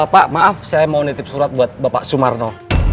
pak maaf saya mau nitip surat buat bapak sumarno